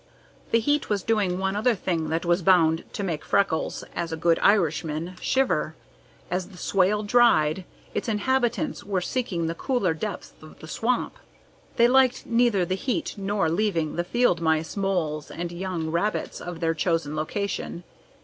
The heat was doing one other thing that was bound to make Freckles, as a good Irishman, shiver. As the swale dried, its inhabitants were seeking the cooler depths of the swamp. They liked neither the heat nor leaving the field mice, moles, and young rabbits of their chosen location.